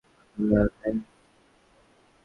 আমি আর খাই না।